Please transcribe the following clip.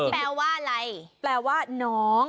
แปลว่าอะไรแปลว่าน้อง